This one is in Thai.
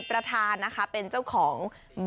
ประธานนะคะเป็นเจ้าของ